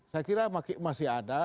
saya kira masih ada